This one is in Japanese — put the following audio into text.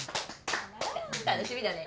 楽しみだね。